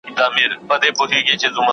مدیتیشن د استراحت یوه طریقه ده.